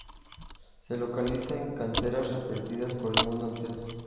Se localiza en canteras repartidas por el mundo entero.